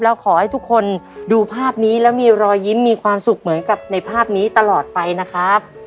แล้วขอให้ทุกคนดูภาพนี้แล้วมีรอยยิ้มมีความสุขเหมือนกับในภาพนี้ตลอดไปนะครับ